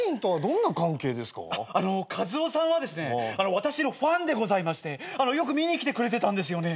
私のファンでございましてよく見に来てくれてたんですよね。